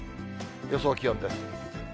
予想気温です。